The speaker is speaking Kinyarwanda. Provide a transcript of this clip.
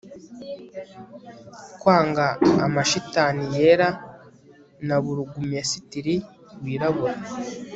kwanga amashitani yera na burugumesitiri wirabura